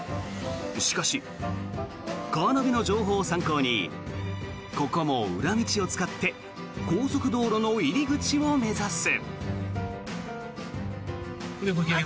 しかし、カーナビの情報を参考にここも裏道を使って高速道路の入り口を目指す。